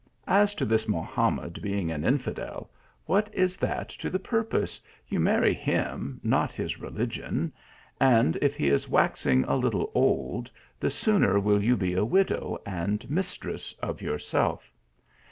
As to this Mohamed being an infidel what is that to the purpose ? You marry him not his religion. And if he is waxing THREE BEAUTIFUL PRINCESSES. 133 a little old, the sooner will you be a widow ana mistress of yourself.